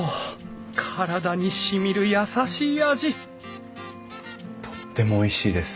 体にしみる優しい味とってもおいしいです。